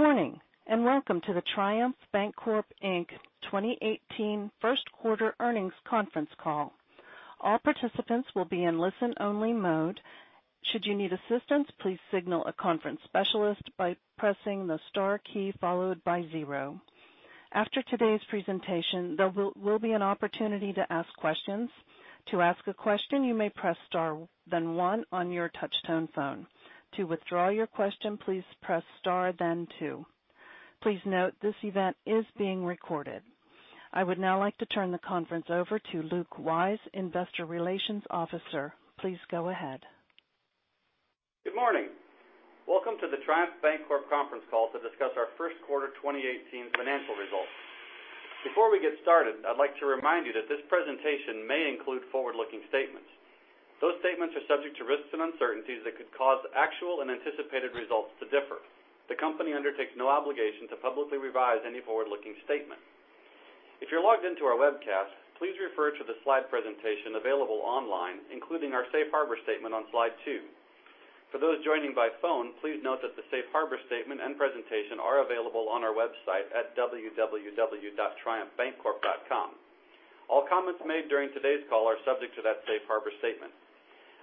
Good morning, welcome to the Triumph Bancorp, Inc. 2018 first quarter earnings conference call. All participants will be in listen-only mode. Should you need assistance, please signal a conference specialist by pressing the star key followed by 0. After today's presentation, there will be an opportunity to ask questions. To ask a question, you may press star then 1 on your touchtone phone. To withdraw your question, please press star then 2. Please note, this event is being recorded. I would now like to turn the conference over to Luke Wyse, Investor Relations Officer. Please go ahead. Good morning. Welcome to the Triumph Bancorp conference call to discuss our first quarter 2018 financial results. Before we get started, I'd like to remind you that this presentation may include forward-looking statements. Those statements are subject to risks and uncertainties that could cause actual and anticipated results to differ. The company undertakes no obligation to publicly revise any forward-looking statement. If you're logged into our webcast, please refer to the slide presentation available online, including our safe harbor statement on slide two. For those joining by phone, please note that the safe harbor statement and presentation are available on our website at www.triumphbancorp.com. All comments made during today's call are subject to that safe harbor statement.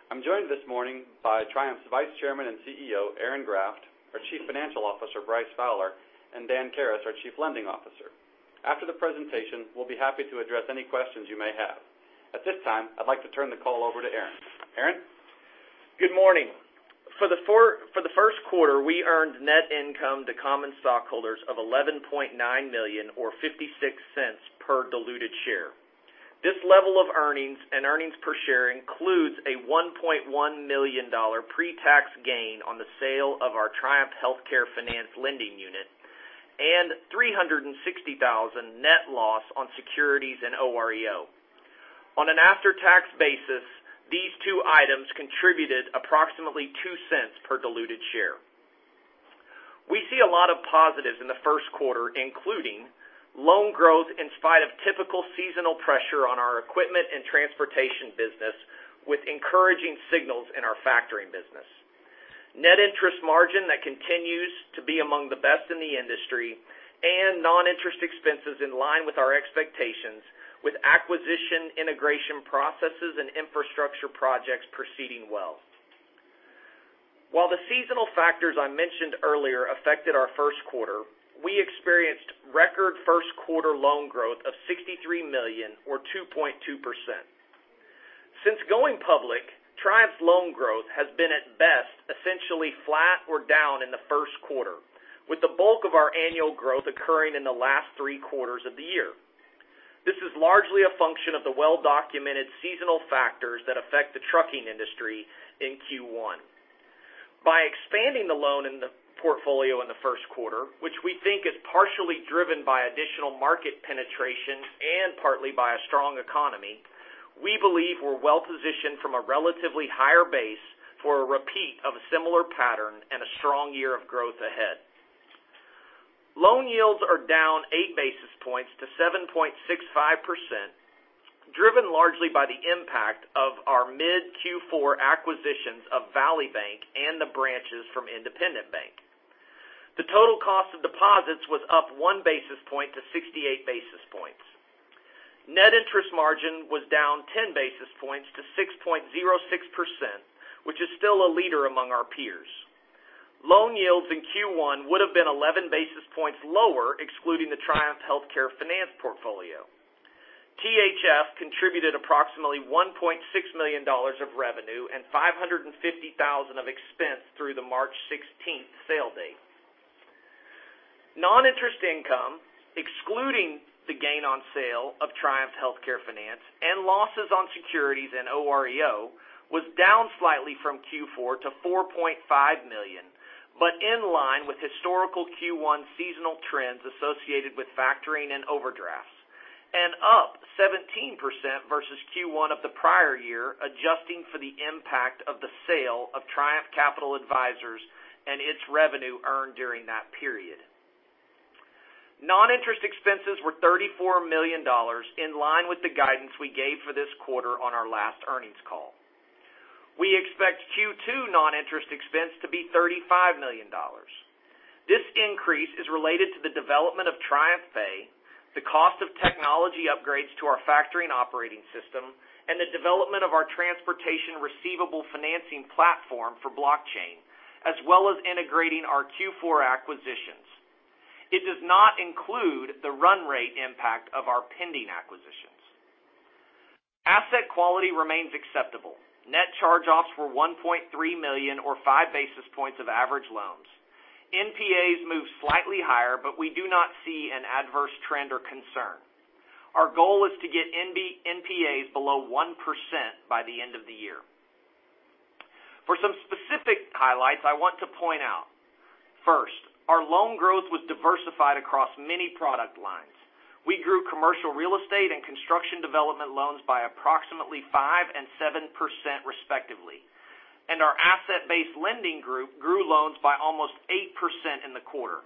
I'm joined this morning by Triumph's Vice Chairman and CEO, Aaron Graft; our Chief Financial Officer, Bryce Fowler; and Dan Karas, our Chief Lending Officer. After the presentation, we'll be happy to address any questions you may have. At this time, I'd like to turn the call over to Aaron. Aaron? Good morning. For the first quarter, we earned net income to common stockholders of $11.9 million, or $0.56 per diluted share. This level of earnings and earnings per share includes a $1.1 million pre-tax gain on the sale of our Triumph Healthcare Finance lending unit and $360,000 net loss on securities and OREO. On an after-tax basis, these two items contributed approximately $0.02 per diluted share. We see a lot of positives in the first quarter, including loan growth in spite of typical seasonal pressure on our equipment and transportation business, with encouraging signals in our factoring business. Net interest margin that continues to be among the best in the industry, non-interest expenses in line with our expectations, with acquisition integration processes and infrastructure projects proceeding well. While the seasonal factors I mentioned earlier affected our first quarter, we experienced record first quarter loan growth of $63 million, or 2.2%. Since going public, Triumph's loan growth has been, at best, essentially flat or down in the first quarter, with the bulk of our annual growth occurring in the last three quarters of the year. This is largely a function of the well-documented seasonal factors that affect the trucking industry in Q1. By expanding the loan in the portfolio in the first quarter, which we think is partially driven by additional market penetration and partly by a strong economy, we believe we're well-positioned from a relatively higher base for a repeat of a similar pattern and a strong year of growth ahead. Loan yields are down 8 basis points to 7.65%, driven largely by the impact of our mid Q4 acquisitions of Valley Bank and the branches from Independent Bank. The total cost of deposits was up 1 basis point to 68 basis points. Net interest margin was down 10 basis points to 6.06%, which is still a leader among our peers. Loan yields in Q1 would've been 11 basis points lower, excluding the Triumph Healthcare Finance portfolio. THF contributed approximately $1.6 million of revenue and $550,000 of expense through the March 16th sale date. Non-interest income, excluding the gain on sale of Triumph Healthcare Finance and losses on securities and OREO, was down slightly from Q4 to $4.5 million, but in line with historical Q1 seasonal trends associated with factoring and overdrafts, and up 17% versus Q1 of the prior year, adjusting for the impact of the sale of Triumph Capital Advisors and its revenue earned during that period. Non-interest expenses were $34 million, in line with the guidance we gave for this quarter on our last earnings call. We expect Q2 non-interest expense to be $35 million. This increase is related to the development of TriumphPay, the cost of technology upgrades to our factoring operating system, and the development of our transportation receivable financing platform for blockchain, as well as integrating our Q4 acquisitions. It does not include the run rate impact of our pending acquisitions. Asset quality remains acceptable. Net charge-offs were $1.3 million, or 5 basis points of average loans. NPAs moved slightly higher, but we do not see an adverse trend or concern. Our goal is to get NPAs below 1% by the end of the year. For some specific highlights, I want to point out, first, our loan growth was diversified across many product lines. We grew commercial real estate and construction development loans by approximately 5% and 7%, respectively. Our asset-based lending group grew loans by almost 8% in the quarter.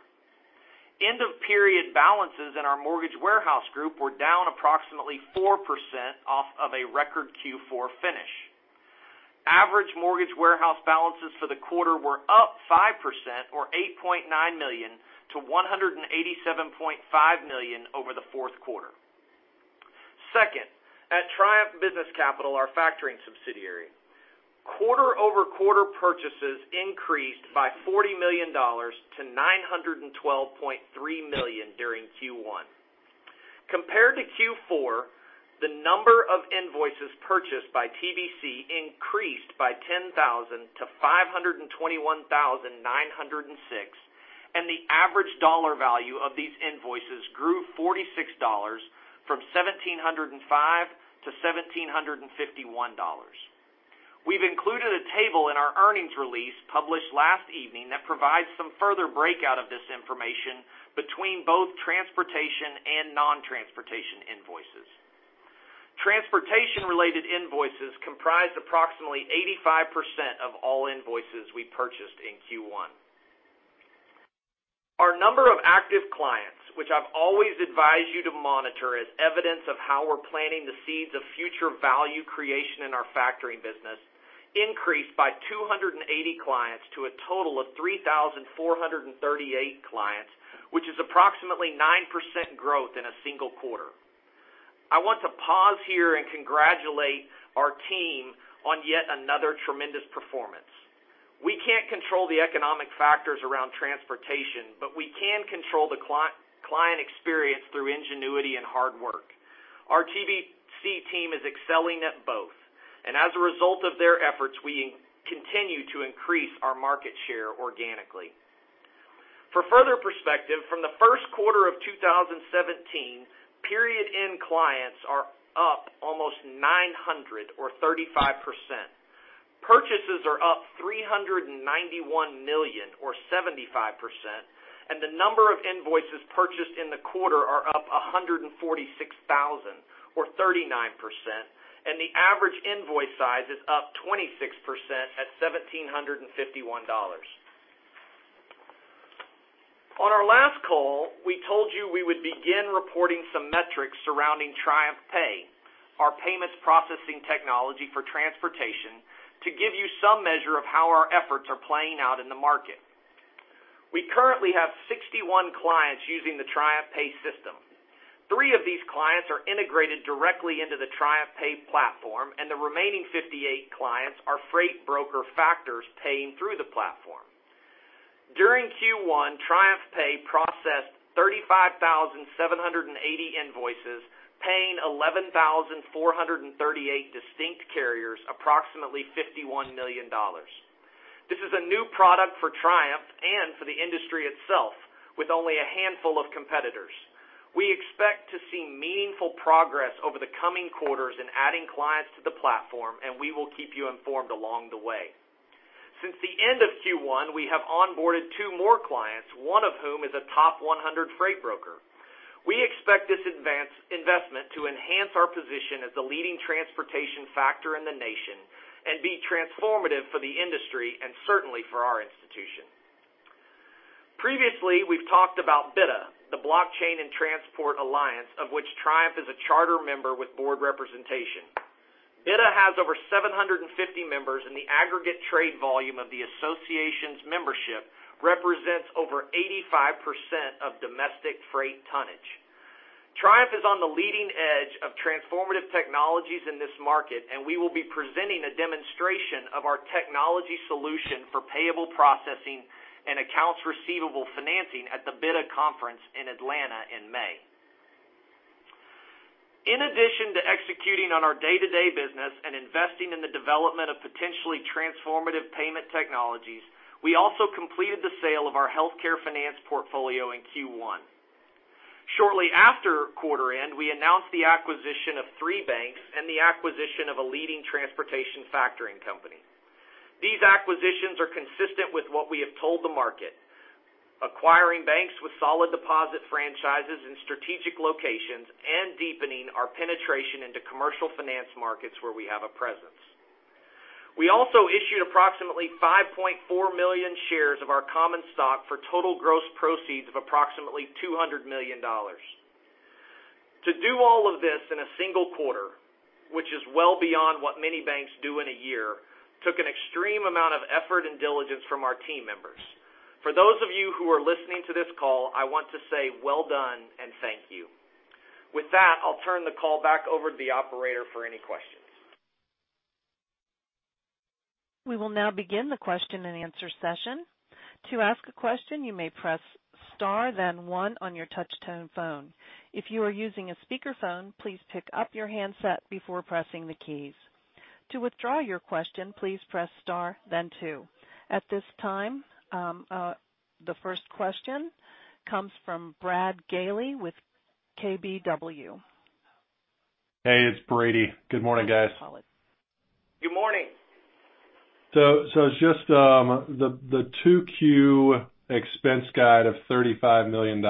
End-of-period balances in our mortgage warehouse group were down approximately 4% off of a record Q4 finish. Average mortgage warehouse balances for the quarter were up 5%, or $8.9 million, to $187.5 million over the fourth quarter. Second, at Triumph Business Capital, our factoring subsidiary, quarter-over-quarter purchases increased by $40 million to $912.3 million during Q1. Compared to Q4, the number of invoices purchased by TBC increased by 10,000 to 521,906, and the average dollar value of these invoices grew $46, from $1,705 to $1,751. We've included a table in our earnings release, published last evening, that provides some further breakout of this information between both transportation and non-transportation invoices. Transportation-related invoices comprised approximately 85% of all invoices we purchased in Q1. Our number of active clients, which I've always advised you to monitor as evidence of how we're planting the seeds of future value creation in our factoring business, increased by 280 clients to a total of 3,438 clients, which is approximately 9% growth in a single quarter. I want to pause here and congratulate our team on yet another tremendous performance. We can't control the economic factors around transportation, but we can control the client experience through ingenuity and hard work. Our TBC team is excelling at both. As a result of their efforts, we continue to increase our market share organically. For further perspective, from the first quarter of 2017, period-end clients are up almost 900, or 35%. Purchases are up $391 million, or 75%, and the number of invoices purchased in the quarter are up 146,000, or 39%, and the average invoice size is up 26% at $1,751. On our last call, we told you we would begin reporting some metrics surrounding TriumphPay, our payments processing technology for transportation, to give you some measure of how our efforts are playing out in the market. We currently have 61 clients using the TriumphPay system. Three of these clients are integrated directly into the TriumphPay platform, and the remaining 58 clients are freight broker factors paying through the platform. During Q1, TriumphPay processed 35,780 invoices, paying 11,438 distinct carriers approximately $51 million. This is a new product for Triumph and for the industry itself, with only a handful of competitors. We expect to see meaningful progress over the coming quarters in adding clients to the platform. We will keep you informed along the way. Since the end of Q1, we have onboarded two more clients, one of whom is a top 100 freight broker. We expect this investment to enhance our position as the leading transportation factor in the nation and be transformative for the industry, and certainly for our institution. Previously, we've talked about BiTA, the Blockchain in Transport Alliance, of which Triumph is a charter member with board representation. BiTA has over 750 members, and the aggregate trade volume of the association's membership represents over 85% of domestic freight tonnage. Triumph is on the leading edge of transformative technologies in this market. We will be presenting a demonstration of our technology solution for payable processing and accounts receivable financing at the BiTA conference in Atlanta in May. In addition to executing on our day-to-day business and investing in the development of potentially transformative payment technologies, we also completed the sale of our healthcare finance portfolio in Q1. Shortly after quarter end, we announced the acquisition of three banks and the acquisition of a leading transportation factoring company. These acquisitions are consistent with what we have told the market: acquiring banks with solid deposit franchises in strategic locations and deepening our penetration into commercial finance markets where we have a presence. We also issued approximately $5.4 million shares of our common stock for total gross proceeds of approximately $200 million. To do all of this in a single quarter, which is well beyond what many banks do in a year, took an extreme amount of effort and diligence from our team members. For those of you who are listening to this call, I want to say well done and thank you. With that, I'll turn the call back over to the operator for any questions. We will now begin the question and answer session. To ask a question, you may press star then one on your touch-tone phone. If you are using a speakerphone, please pick up your handset before pressing the keys. To withdraw your question, please press star then two. At this time, the first question comes from Brady Gailey with KBW. Hey, it's Brady. Good morning, guys. Good morning. Just the 2Q expense guide of $35 million,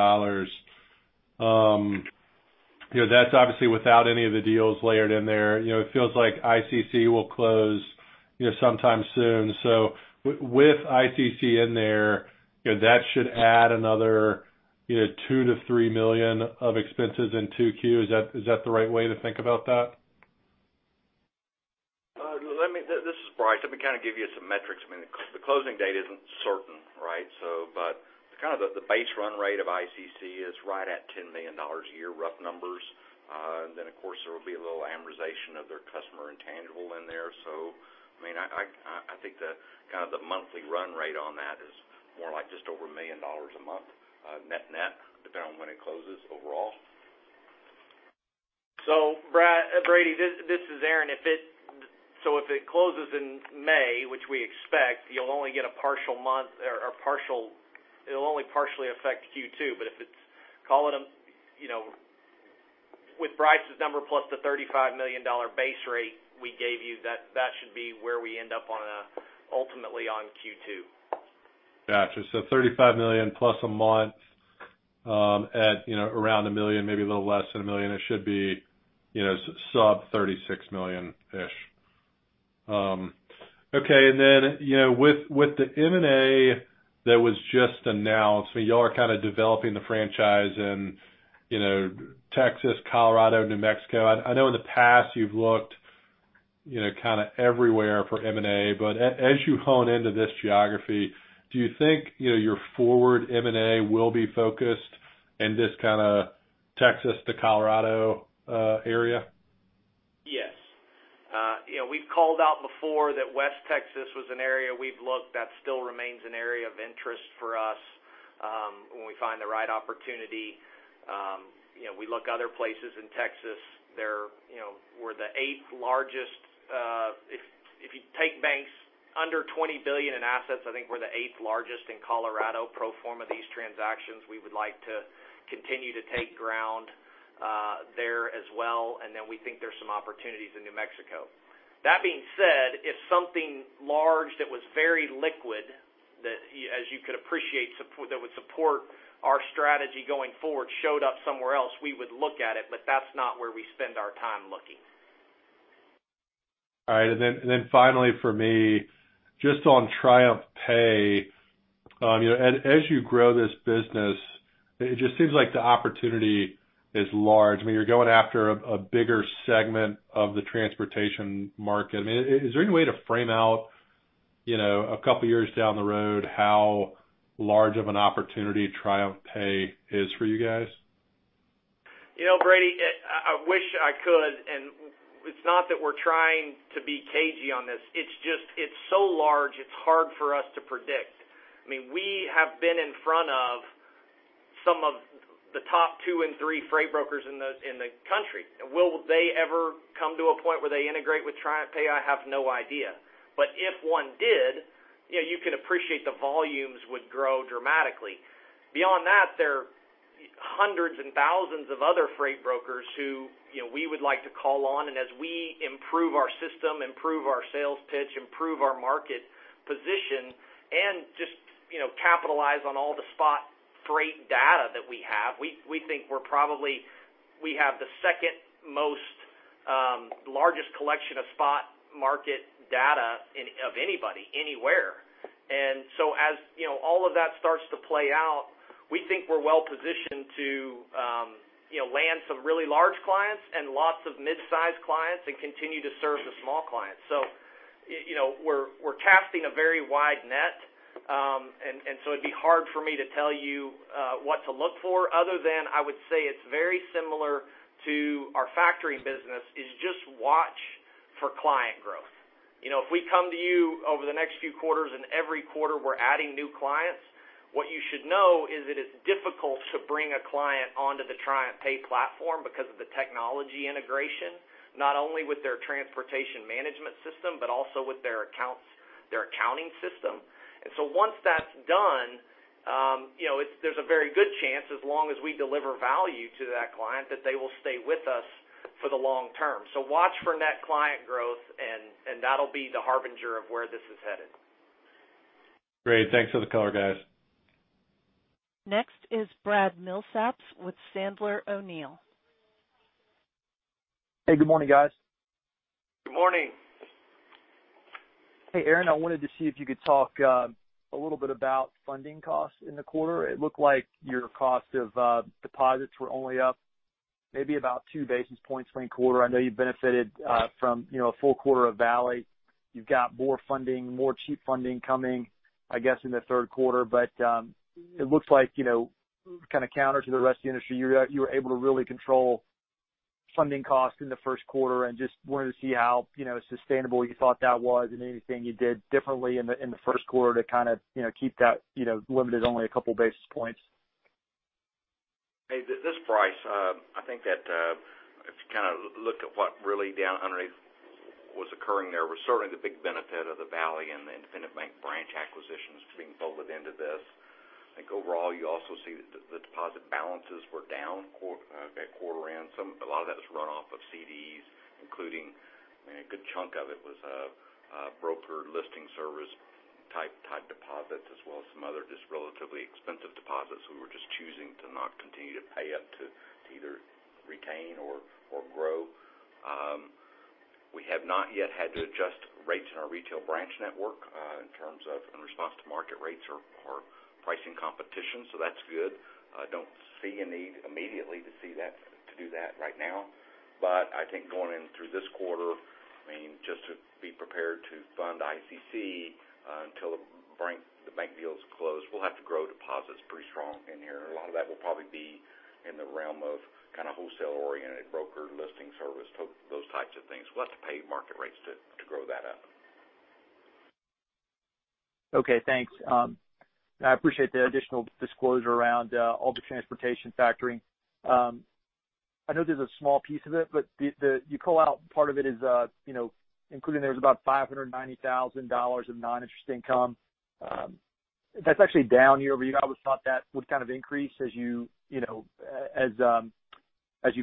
that's obviously without any of the deals layered in there. It feels like ICC will close sometime soon. With ICC in there, that should add another $2 million-$3 million of expenses in 2Q. Is that the right way to think about that? This is Bryce. Let me kind of give you some metrics. The closing date isn't certain, right? The base run rate of ICC is right at $10 million a year, rough numbers. Of course, there will be a little amortization of their customer intangible in there. I think the monthly run rate on that is more like just over $1 million a month net-net, depending on when it closes overall. Brady, this is Aaron. If it closes in May, which we expect, you'll only get a partial month or it'll only partially affect Q2. With Bryce's number plus the $35 million base rate we gave you, that should be where we end up ultimately on Q2. Got you. $35 million plus a month at around $1 million, maybe a little less than $1 million. It should be sub-$36 million-ish. Okay. With the M&A that was just announced, you all are kind of developing the franchise in Texas, Colorado, New Mexico. I know in the past you've looked kind of everywhere for M&A. As you hone into this geography, do you think your forward M&A will be focused in this kind of Texas to Colorado area? Yes. We've called out before that West Texas was an area we've looked. That still remains an area of interest for us when we find the right opportunity. We look other places in Texas. If you take banks under $20 billion in assets, I think we're the eighth largest in Colorado pro forma these transactions. We would like to continue to take ground there as well. We think there's some opportunities in New Mexico. That being said, if something large that was very liquid, as you could appreciate, that would support our strategy going forward showed up somewhere else, we would look at it, but that's not where we spend our time looking. All right. Finally for me, just on TriumphPay. As you grow this business, it just seems like the opportunity is large. You're going after a bigger segment of the transportation market. Is there any way to frame out a couple years down the road how large of an opportunity TriumphPay is for you guys? Brady, I wish I could, and it's not that we're trying to be cagey on this. It's just so large, it's hard for us to predict. We have been in front of some of the top two and three freight brokers in the country. Will they ever come to a point where they integrate with TriumphPay? I have no idea. If one did, you could appreciate the volumes would grow dramatically. Beyond that, there are hundreds and thousands of other freight brokers who we would like to call on, and as we improve our system, improve our sales pitch, improve our market position, and just capitalize on all the spot freight data that we have, we think we have the second most largest collection of spot market data of anybody, anywhere. As all of that starts to play out, we think we're well positioned to land some really large clients and lots of mid-size clients, and continue to serve the small clients. We're casting a very wide net, and so it'd be hard for me to tell you what to look for other than I would say it's very similar to our factoring business, is just watch for client growth. If we come to you over the next few quarters and every quarter we're adding new clients, what you should know is that it's difficult to bring a client onto the TriumphPay platform because of the technology integration, not only with their transportation management system, but also with their accounting system. Once that's done, there's a very good chance, as long as we deliver value to that client, that they will stay with us for the long term. Watch for net client growth, and that'll be the harbinger of where this is headed. Great. Thanks for the color, guys. Next is Brad Milsaps with Sandler O'Neill. Hey, good morning, guys. Good morning. Hey, Aaron, I wanted to see if you could talk a little bit about funding costs in the quarter. It looked like your cost of deposits were only up maybe about two basis points for the quarter. I know you've benefited from a full quarter of Valley. You've got more cheap funding coming, I guess, in the third quarter. It looks like, kind of counter to the rest of the industry, you were able to really control funding costs in the first quarter, and just wanted to see how sustainable you thought that was and anything you did differently in the first quarter to kind of keep that limited only a couple of basis points. Hey, this is Bryce. I think that if you kind of look at what really down underneath was occurring there, was certainly the big benefit of the Valley and the Independent Bank branch acquisitions being folded into this. I think overall, you also see the deposit balances were down quarter on some. A lot of that was runoff of CDs, including a good chunk of it was broker listing service type deposits as well as some other just relatively expensive deposits we were just choosing to not continue to pay up to retain or grow. We have not yet had to adjust rates in our retail branch network in terms of in response to market rates or pricing competition, so that's good. I don't see a need immediately to do that right now. I think going in through this quarter, just to be prepared to fund ICC until the bank deal's closed, we'll have to grow deposits pretty strong in here. A lot of that will probably be in the realm of kind of wholesale-oriented broker listing service, those types of things. We'll have to pay market rates to grow that up. Okay, thanks. I appreciate the additional disclosure around all the transportation factoring. I know there's a small piece of it, but you call out part of it is including about $590,000 of non-interest income. That's actually down year-over-year. I always thought that would kind of increase as you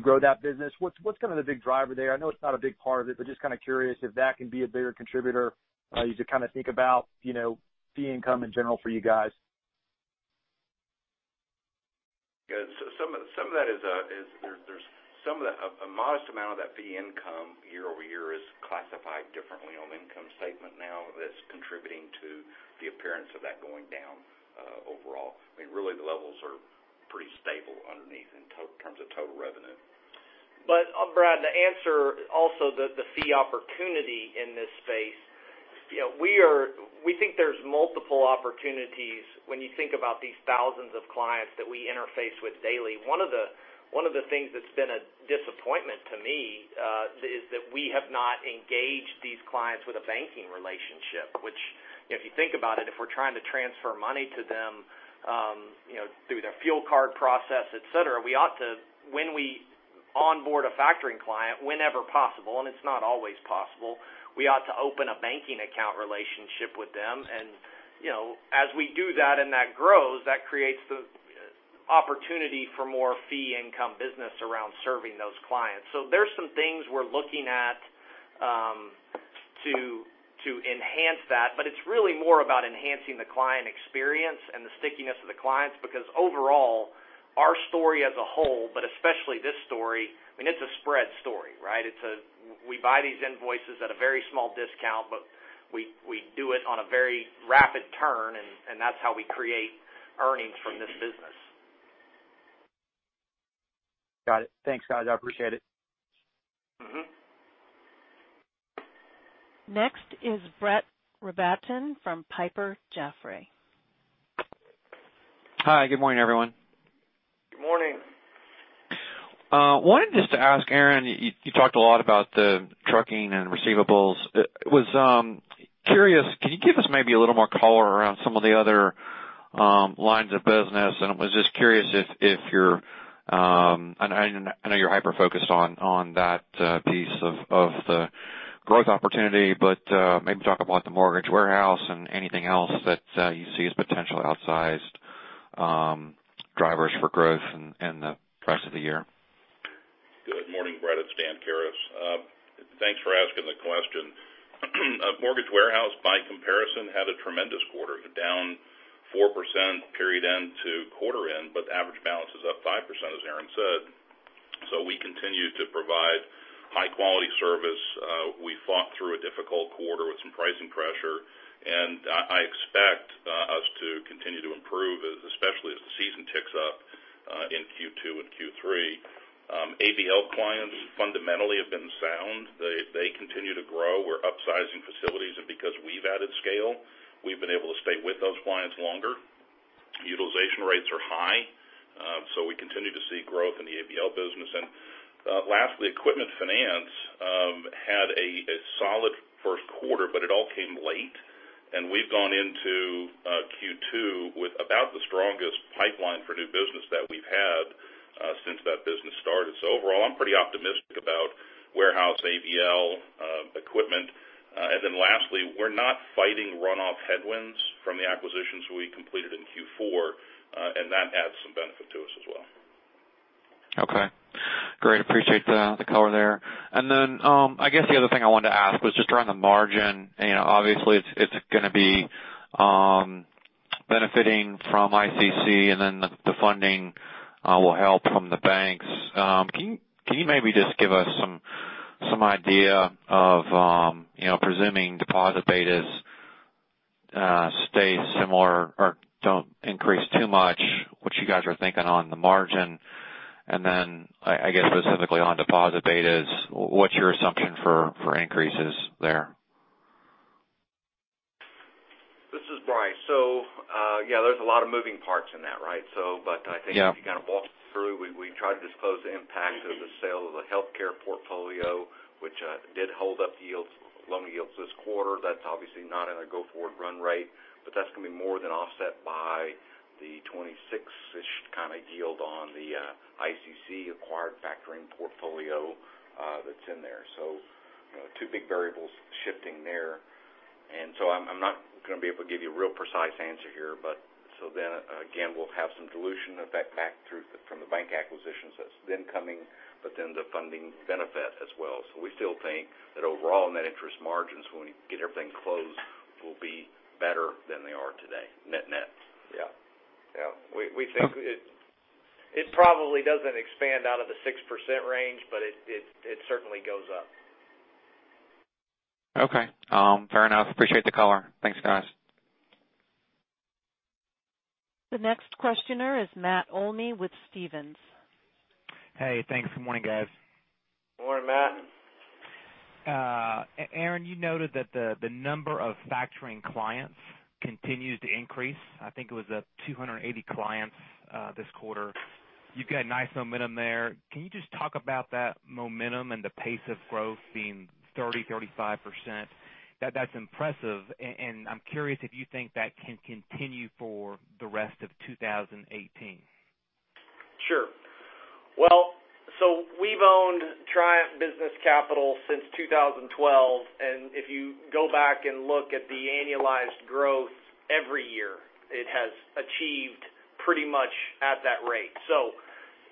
grow that business. What's kind of the big driver there? I know it's not a big part of it, but just kind of curious if that can be a bigger contributor as you kind of think about fee income in general for you guys. Yeah. A modest amount of that fee income year-over-year is classified differently on the income statement now that's contributing to the appearance of that going down overall. Really, the levels are pretty stable underneath in terms of total revenue. Brad, the answer also, the fee opportunity in this space, we think there's multiple opportunities when you think about these thousands of clients that we interface with daily. One of the things that's been a disappointment to me, is that we have not engaged these clients with a banking relationship. Which, if you think about it, if we're trying to transfer money to them through their fuel card process, et cetera, when we onboard a factoring client, whenever possible, and it's not always possible, we ought to open a banking account relationship with them. As we do that and that grows, that creates the opportunity for more fee income business around serving those clients. There's some things we're looking at to enhance that, but it's really more about enhancing the client experience and the stickiness of the clients. Overall, our story as a whole, but especially this story, it's a spread story, right? We buy these invoices at a very small discount, but we do it on a very rapid turn, and that's how we create earnings from this business. Got it. Thanks, guys. I appreciate it. Next is Brett Rabatin from Piper Jaffray. Hi, good morning, everyone. Good morning. I wanted just to ask Aaron, you talked a lot about the trucking and receivables. Was curious, can you give us maybe a little more color around some of the other lines of business? I was just curious, I know you're hyper-focused on that piece of the growth opportunity, but maybe talk about the mortgage warehouse and anything else that you see as potential outsized drivers for growth in the rest of the year. Good morning, Brett. It's Dan Karas. Thanks for asking the question. mortgage warehouse, by comparison, had a tremendous quarter, down 4% period end to quarter end, but average balance is up 5%, as Aaron said. We continue to provide high-quality service. We fought through a difficult quarter with some pricing pressure, I expect us to continue to improve, especially as the season ticks up, in Q2 and Q3. ABL clients fundamentally have been sound. They continue to grow. We're upsizing facilities, because we've added scale, we've been able to stay with those clients longer. Utilization rates are high. We continue to see growth in the ABL business. Lastly, equipment finance had a solid first quarter, it all came late. We've gone into Q2 with about the strongest pipeline for new business that we've had since that business started. Overall, I'm pretty optimistic about warehouse ABL equipment. Lastly, we're not fighting runoff headwinds from the acquisitions we completed in Q4, that adds some benefit to us as well. Okay. Great. Appreciate the color there. I guess the other thing I wanted to ask was just around the margin. Obviously, it's going to be benefiting from ICC, the funding will help from the banks. Can you maybe just give us some idea of presuming deposit betas stay similar or don't increase too much, what you guys are thinking on the margin? I guess specifically on deposit betas, what's your assumption for increases there? This is Bryce. Yeah, there's a lot of moving parts in that, right? Yeah. I think if you kind of walk through, we tried to disclose the impact of the sale of the healthcare portfolio, which did hold up loan yields this quarter. That's obviously not in a go-forward run rate, but that's going to be more than offset by the 26-ish kind of yield on the ICC acquired factoring portfolio that's in there. Two big variables shifting there. I'm not going to be able to give you a real precise answer here, again, we'll have some dilution effect back from the bank acquisitions that's coming, then the funding benefit as well. We still think that overall net interest margins, when we get everything closed, will be better than they are today, net-net. Yeah. Yeah. We think it probably doesn't expand out of the 6% range, it certainly goes up. Okay. Fair enough. Appreciate the color. Thanks, guys. The next questioner is Matt Olney with Stephens. Hey, thanks. Good morning, guys. Morning, Matt. Aaron, you noted that the number of factoring clients continues to increase. I think it was at 280 clients, this quarter. You've got nice momentum there. Can you just talk about that momentum and the pace of growth being 30%-35%? That's impressive, and I'm curious if you think that can continue for the rest of 2018. We've owned Triumph Business Capital since 2012, and if you go back and look at the annualized growth every year, it has achieved pretty much at that rate.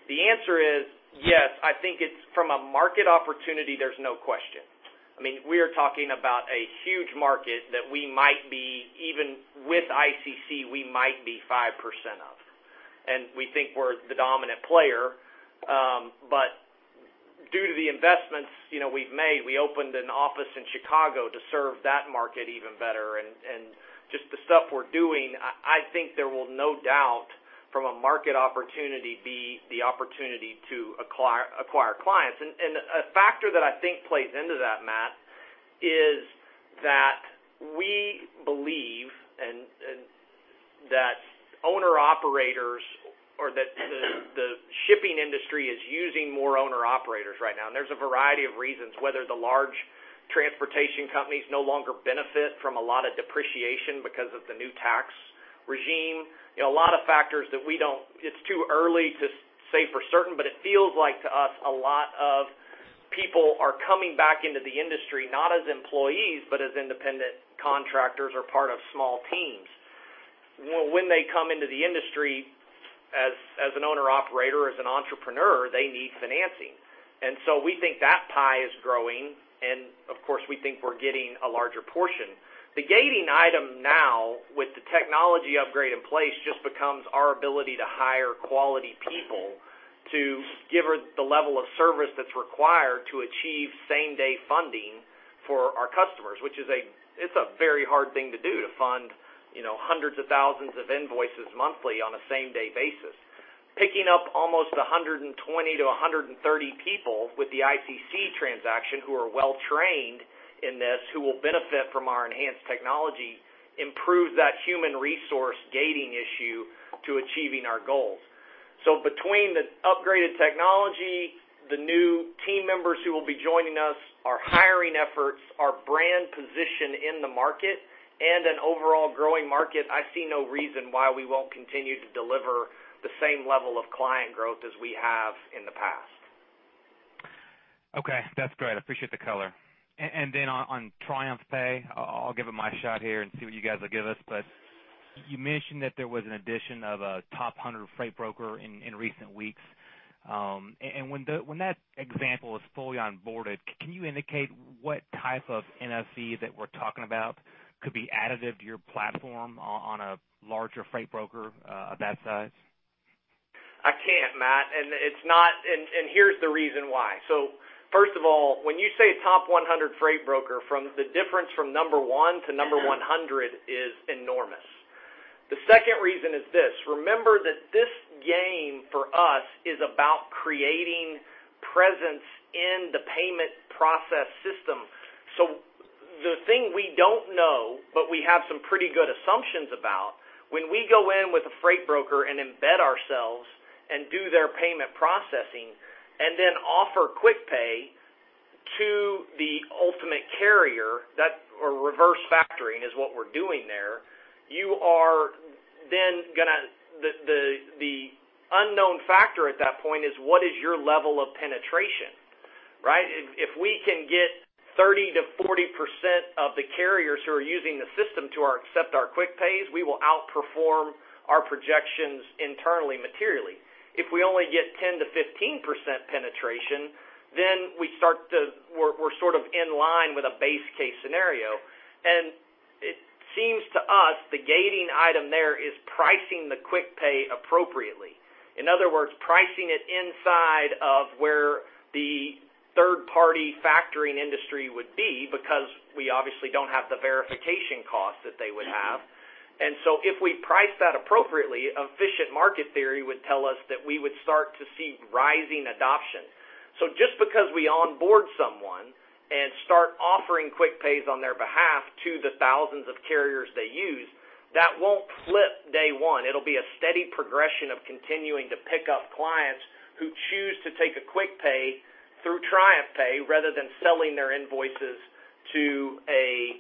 The answer is, yes, I think from a market opportunity, there's no question. We are talking about a huge market that we might be, even with ICC, we might be 5% of. We think we're the dominant player. Due to the investments we've made, we opened an office in Chicago to serve that market even better, just the stuff we're doing, I think there will no doubt from a market opportunity, be the opportunity to acquire clients. A factor that I think plays into that, Matt, is that we believe that the shipping industry is using more owner-operators right now, there's a variety of reasons, whether the large transportation companies no longer benefit from a lot of depreciation because of the new tax regime. A lot of factors that it's too early to say for certain, but it feels like to us, a lot of people are coming back into the industry, not as employees, but as independent contractors or part of small teams. When they come into the industry as an owner-operator, as an entrepreneur, they need financing. We think that pie is growing, of course, we think we're getting a larger portion. The gating item now with the technology upgrade in place just becomes our ability to hire quality people to give the level of service that's required to achieve same-day funding for our customers, which is a very hard thing to do, to fund hundreds of thousands of invoices monthly on a same-day basis. Picking up almost 120 to 130 people with the ICC transaction who are well-trained in this, who will benefit from our enhanced technology, improves that human resource gating issue to achieving our goals. Between the upgraded technology, the new team members who will be joining us, our hiring efforts, our brand position in the market, an overall growing market, I see no reason why we won't continue to deliver the same level of client growth as we have in the past. Okay. That's great. I appreciate the color. On TriumphPay, I'll give it my shot here and see what you guys will give us, you mentioned that there was an addition of a top 100 freight broker in recent weeks. When that example is fully onboarded, can you indicate what type of NFC that we're talking about could be additive to your platform on a larger freight broker of that size? I can't, Matt. Here's the reason why. First of all, when you say top 100 freight broker, the difference from number 1 to number 100 is enormous. The second reason is this. Remember that this game for us is about creating presence in the payment process system. The thing we don't know, but we have some pretty good assumptions about, when we go in with a freight broker and embed ourselves and do their payment processing and then offer quick pay to the ultimate carrier, or reverse factoring is what we're doing there. The unknown factor at that point is what is your level of penetration, right? If we can get 30%-40% of the carriers who are using the system to accept our quick pays, we will outperform our projections internally, materially. If we only get 10%-15% penetration, we're sort of in line with a base case scenario. It seems to us the gating item there is pricing the quick pay appropriately. In other words, pricing it inside of where the third-party factoring industry would be, because we obviously don't have the verification cost that they would have. If we price that appropriately, efficient market theory would tell us that we would start to see rising adoption. Just because we onboard someone and start offering quick pays on their behalf to the thousands of carriers they use, that won't flip day one. It'll be a steady progression of continuing to pick up clients who choose to take a quick pay through TriumphPay rather than selling their invoices to a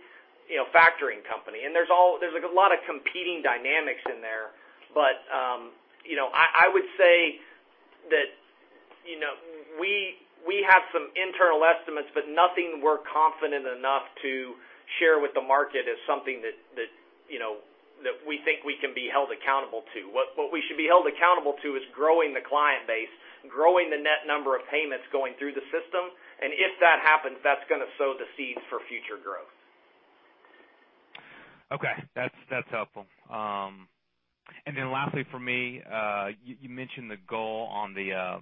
factoring company. There's a lot of competing dynamics in there, but I would say that we have some internal estimates, but nothing we're confident enough to share with the market as something that we think we can be held accountable to. What we should be held accountable to is growing the client base, growing the net number of payments going through the system, and if that happens, that's going to sow the seeds for future growth. Okay, that's helpful. Lastly for me, you mentioned the goal on the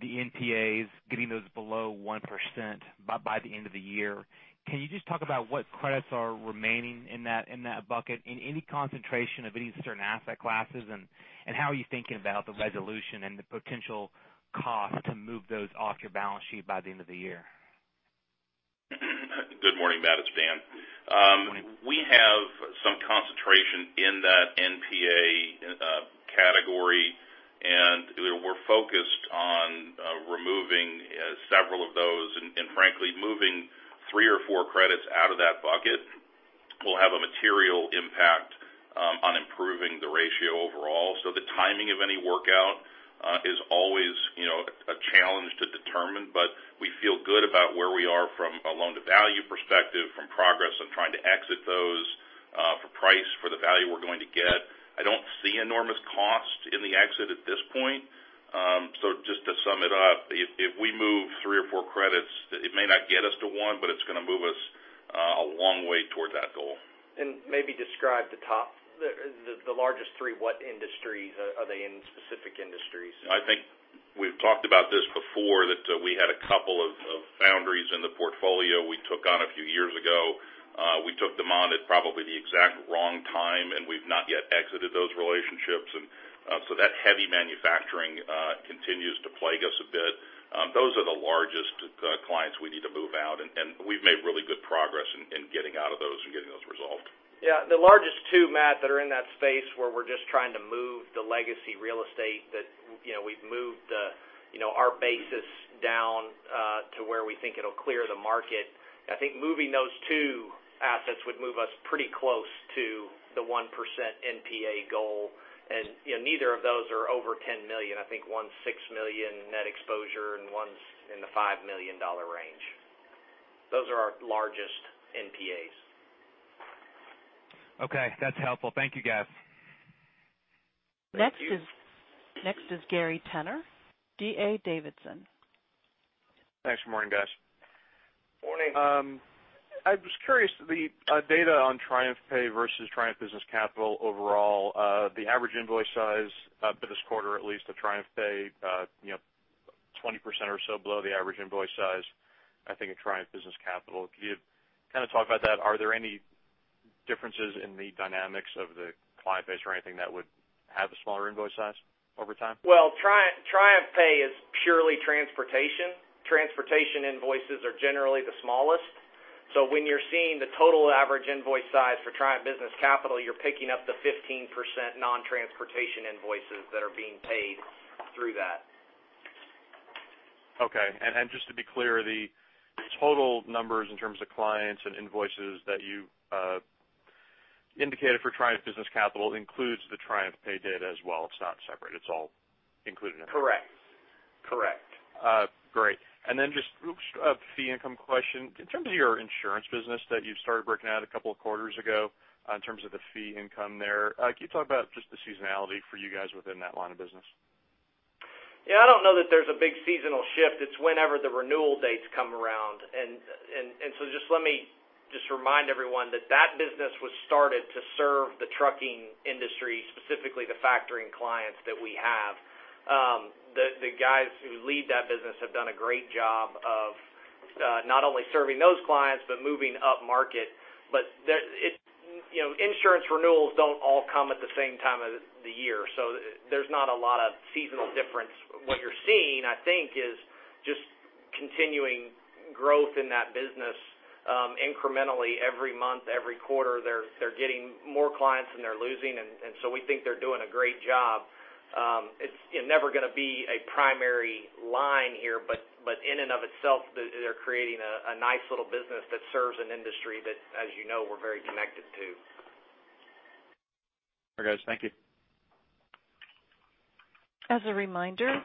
NPAs, getting those below 1% by the end of the year. Can you just talk about what credits are remaining in that bucket? In any concentration of any certain asset classes, and how are you thinking about the resolution and the potential cost to move those off your balance sheet by the end of the year? Good morning, Matt. It's Dan. Morning. We have some concentration in that NPA category, we're focused on removing several of those. Frankly, moving three or four credits out of that bucket will have a material impact on improving the ratio overall. The timing of any workout is always a challenge to determine, but we feel good about where we are from a loan-to-value perspective, from progress on trying to exit those for price, for the value we're going to get. I don't see enormous cost in the exit at this point. Just to sum it up, if we move three or four credits, it may not get us to 1, but it's going to move us a long way toward that goal. Maybe describe the top, the largest three. What industries are they in, specific industries? I think we've talked about this before, that we had a couple of foundries in the portfolio we took on a few years ago. We took them on at probably the exact wrong time, we've not yet exited those relationships. That heavy manufacturing continues to plague us a bit. Those are the largest clients we need to move out, we've made really good progress in getting out of those and getting those resolved. The largest two, Matt, that are in that space where we're just trying to move the legacy real estate that we've moved our basis down to where we think it'll clear the market. I think moving those two assets would move us pretty close to the 1% NPA goal. Neither of those are over $10 million. I think one's $6 million net exposure, and one's in the $5 million range. Those are our largest NPAs. That's helpful. Thank you, guys. Thank you. Next is Gary Tenner, D.A. Davidson. Thanks. Morning, guys. Morning. I was curious, the data on TriumphPay versus Triumph Business Capital overall, the average invoice size for this quarter, at least of TriumphPay, 20% or so below the average invoice size, I think, at Triumph Business Capital. Can you kind of talk about that? Are there any differences in the dynamics of the client base or anything that would have a smaller invoice size over time? Well, TriumphPay is purely transportation. Transportation invoices are generally the smallest. When you're seeing the total average invoice size for Triumph Business Capital, you're picking up the 15% non-transportation invoices that are being paid through that. Okay. Just to be clear, the total numbers in terms of clients and invoices that you indicated for Triumph Business Capital includes the TriumphPay data as well. It's not separate. It's all included in there. Correct. Great. Just a fee income question. In terms of your insurance business that you started working at a couple of quarters ago, in terms of the fee income there, can you talk about just the seasonality for you guys within that line of business? Yeah, I don't know that there's a big seasonal shift. It's whenever the renewal dates come around. Just let me just remind everyone that that business was started to serve the trucking industry, specifically the factoring clients that we have. The guys who lead that business have done a great job of not only serving those clients but moving upmarket. Insurance renewals don't all come at the same time of the year. There's not a lot of seasonal difference. What you're seeing, I think, is just continuing growth in that business incrementally every month, every quarter. They're getting more clients than they're losing, we think they're doing a great job. It's never going to be a primary line here, but in and of itself, they're creating a nice little business that serves an industry that, as you know, we're very connected to. All right, guys. Thank you. As a reminder,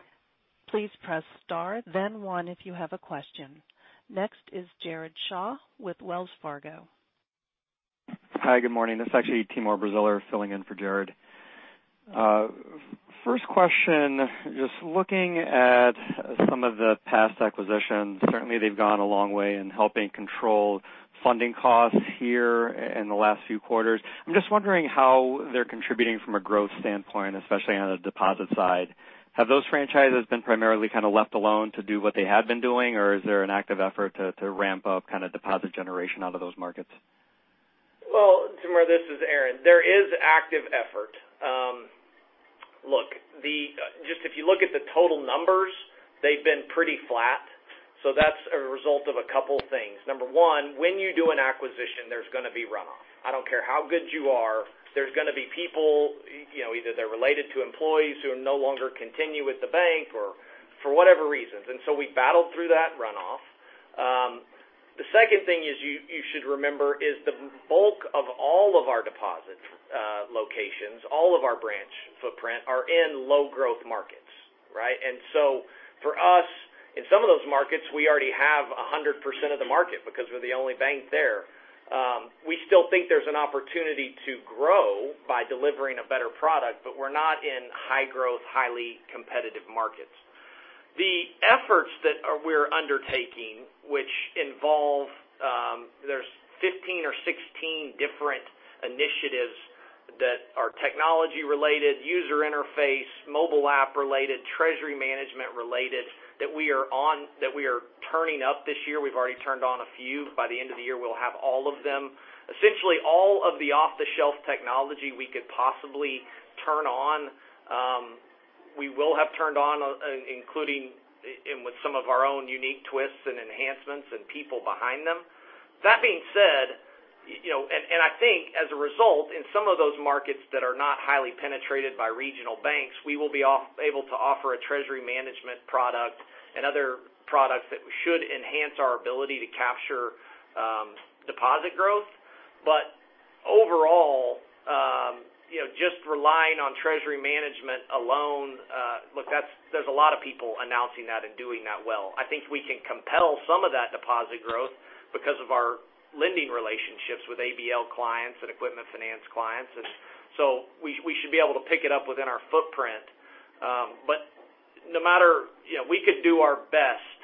please press star then 1 if you have a question. Next is Jared Shaw with Wells Fargo. Hi, good morning. This is actually Timur Braziler filling in for Jared. First question, just looking at some of the past acquisitions, certainly they've gone a long way in helping control funding costs here in the last few quarters. I'm just wondering how they're contributing from a growth standpoint, especially on the deposit side. Have those franchises been primarily kind of left alone to do what they have been doing, or is there an active effort to ramp up kind of deposit generation out of those markets? Well, Timur, this is Aaron. There is active effort. Look, just if you look at the total numbers, they've been pretty flat. That's a result of a couple things. Number one, when you do an acquisition, there's going to be runoff. I don't care how good you are, there's going to be people, either they're related to employees who no longer continue with the bank or for whatever reasons. We battled through that runoff. The second thing is you should remember is the bulk of all of our deposit locations, all of our branch footprint are in low growth markets, right? For us, in some of those markets, we already have 100% of the market because we're the only bank there. We still think there's an opportunity to grow by delivering a better product, but we're not in high growth, highly competitive markets. The efforts that we're undertaking, there's 15 or 16 different initiatives that are technology related, user interface, mobile app related, treasury management related that we are turning up this year. We've already turned on a few. By the end of the year, we'll have all of them. Essentially, all of the off-the-shelf technology we could possibly turn on, we will have turned on, including with some of our own unique twists and enhancements and people behind them. That being said, I think as a result, in some of those markets that are not highly penetrated by regional banks, we will be able to offer a treasury management product and other products that should enhance our ability to capture deposit growth. Overall, just relying on treasury management alone, there's a lot of people announcing that and doing that well. I think we can compel some of that deposit growth because of our lending relationships with ABL clients and equipment finance clients. We should be able to pick it up within our footprint. We could do our best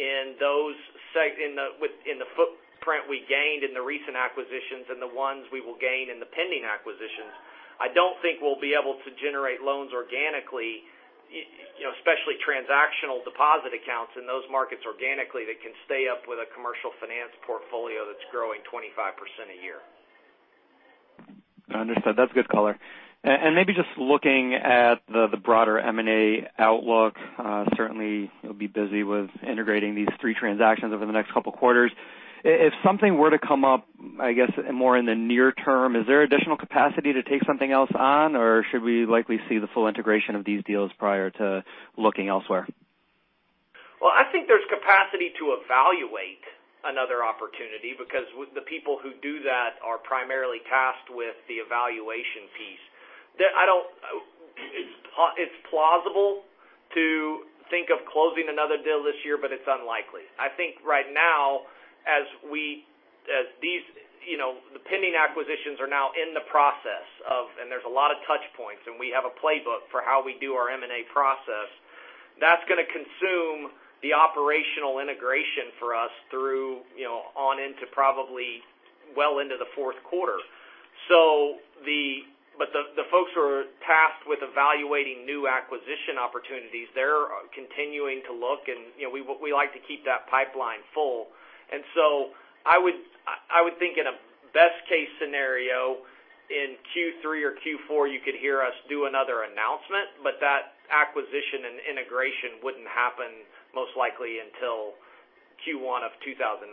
in the footprint we gained in the recent acquisitions and the ones we will gain in the pending acquisitions. I don't think we'll be able to generate loans organically, especially transactional deposit accounts in those markets organically that can stay up with a commercial finance portfolio that's growing 25% a year. Understood. That's good color. Maybe just looking at the broader M&A outlook, certainly you'll be busy with integrating these 3 transactions over the next couple of quarters. If something were to come up, I guess, more in the near term, is there additional capacity to take something else on, or should we likely see the full integration of these deals prior to looking elsewhere? Well, I think there's capacity to evaluate another opportunity because the people who do that are primarily tasked with the evaluation piece. It's plausible to think of closing another deal this year, but it's unlikely. I think right now, as the pending acquisitions are now in the process of, there's a lot of touch points, and we have a playbook for how we do our M&A process, that's going to consume the operational integration for us through on into probably well into the fourth quarter. The folks who are tasked with evaluating new acquisition opportunities, they're continuing to look, and we like to keep that pipeline full. So I would think in a best case scenario, in Q3 or Q4, you could hear us do another announcement, but that acquisition and integration wouldn't happen most likely until Q1 of 2019.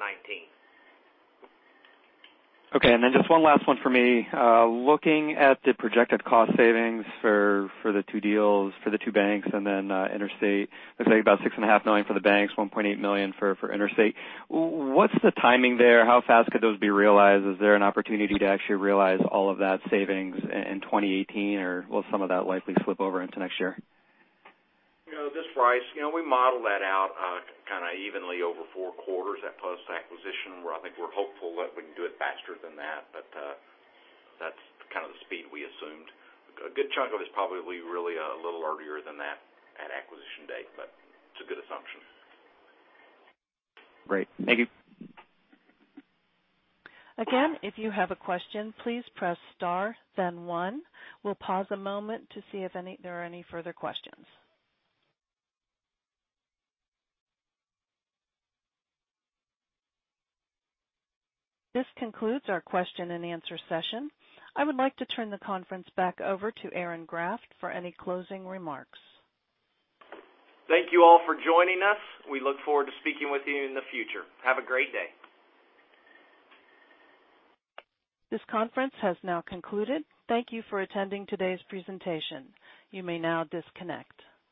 Okay. Just one last one for me. Looking at the projected cost savings for the two deals for the two banks and then Interstate, let's say about $6.5 million for the banks, $1.8 million for Interstate. What's the timing there? How fast could those be realized? Is there an opportunity to actually realize all of that savings in 2018, or will some of that likely slip over into next year? Bryce Fowler, we modeled that out kind of evenly over four quarters at post-acquisition, where I think we're hopeful that we can do it faster than that. That's kind of the speed we assumed. A good chunk of it is probably really a little earlier than that at acquisition date, but it's a good assumption. Great. Thank you. Again, if you have a question, please press star then one. We'll pause a moment to see if there are any further questions. This concludes our question and answer session. I would like to turn the conference back over to Aaron Graft for any closing remarks. Thank you all for joining us. We look forward to speaking with you in the future. Have a great day. This conference has now concluded. Thank you for attending today's presentation. You may now disconnect.